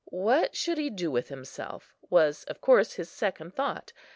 What should he do with himself, was of course his second thought.